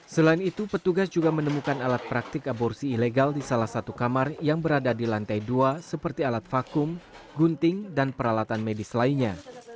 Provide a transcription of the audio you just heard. selain itu petugas juga menemukan alat praktik aborsi ilegal di salah satu kamar yang berada di lantai dua seperti alat vakum gunting dan peralatan medis lainnya